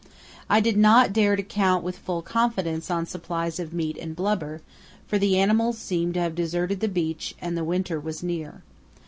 I did not dare to count with full confidence on supplies of meat and blubber, for the animals seemed to have deserted the beach and the winter was near.